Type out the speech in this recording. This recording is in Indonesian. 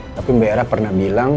tapi mbak era pernah bilang